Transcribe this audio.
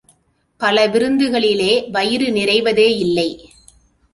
பல விருந்துகளிலே, வயிறு நிறைவதே இல்லை!